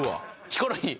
ヒコロヒー。